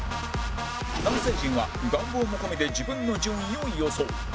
男性陣は願望も込みで自分の順位を予想